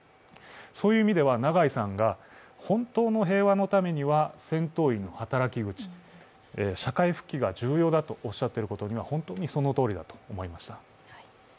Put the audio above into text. そういう意味では、永井さんが本当の平和のためには戦闘員の働き口、社会復帰が重要だとおっしゃっていることは本当にそのとおりだと思いました。